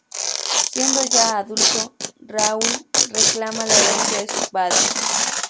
Siendo ya adulto, Raoul reclama la herencia de su padre.